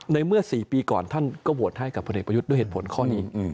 เมื่อ๔ปีก่อนท่านก็โหวตให้กับพลเอกประยุทธ์ด้วยเหตุผลข้อนี้